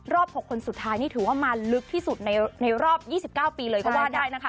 ๖คนสุดท้ายนี่ถือว่ามาลึกที่สุดในรอบ๒๙ปีเลยก็ว่าได้นะคะ